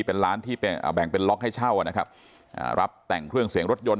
เป็นร้านที่เป็นแบ่งเป็นล็อกให้เช่านะครับรับแต่งเครื่องเสียงรถยนต